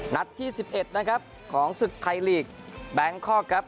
นัดที่๑๑นะครับของศึกไทยลีกแบงคอกครับ